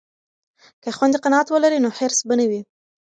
که خویندې قناعت ولري نو حرص به نه وي.